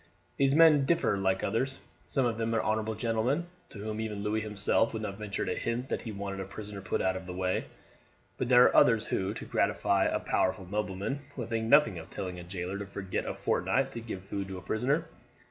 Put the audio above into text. These men differ like others. Some of them are honourable gentlemen, to whom even Louis himself would not venture to hint that he wanted a prisoner put out of the way; but there are others who, to gratify a powerful nobleman, would think nothing of telling a jailer to forget a fortnight to give food to a prisoner.